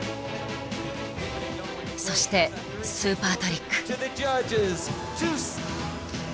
そしてスーパートリック。